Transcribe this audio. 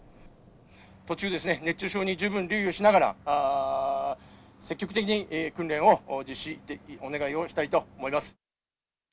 途中、熱中症に十分留意をしながら、積極的に訓練を実施お願いをしたいと思います。